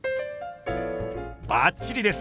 バッチリです！